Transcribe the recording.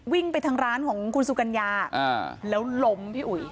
วิ่งไปทางร้านของคุณสุกัญญาแล้วล้มพี่อุ๋ย